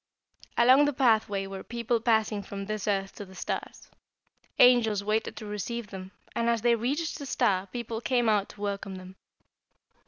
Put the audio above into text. "Along the pathway were people passing from this earth to the stars. Angels waited to receive them, and as they reached the star people came out to welcome them.